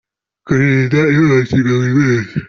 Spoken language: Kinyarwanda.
Kurinda ihohoterwa buri wese.